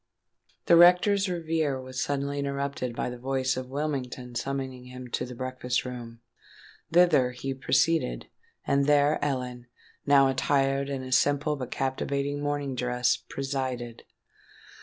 The rector's reverie was suddenly interrupted by the voice of Whittingham summoning him to the breakfast room. Thither he proceeded; and there Ellen, now attired in a simple but captivating morning dress, presided.